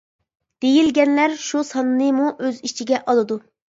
دېيىلگەنلەر شۇ ساننىمۇ ئۆز ئىچىگە ئالىدۇ.